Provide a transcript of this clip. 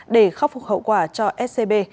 để khắc phục hậu quả cho scb